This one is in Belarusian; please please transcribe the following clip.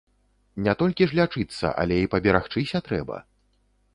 Не толькі ж лячыцца, але і паберагчыся трэба.